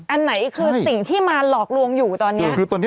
อันไหนคือสิ่งที่มาหลอกลวงอยู่ตอนนี้